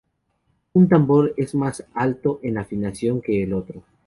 Un tambor es más alto en afinación que el otro.